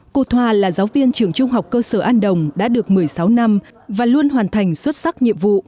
cô thoa là giáo viên trường trung học cơ sở an đồng đã được một mươi sáu năm và luôn hoàn thành xuất sắc nhiệm vụ